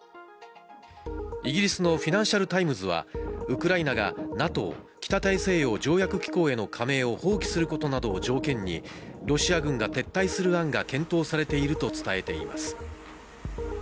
イギリスのフィナンシャルタイムズはウクライナがＮＡＴＯ＝北大西洋条約機構への加盟を放棄することなどを条件にロシア軍が撤退する案が検討されていると伝えています。